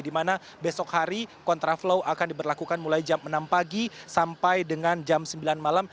di mana besok hari kontraflow akan diberlakukan mulai jam enam pagi sampai dengan jam sembilan malam